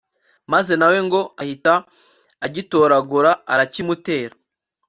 maze na we ngo ahita agitoragura arakimutera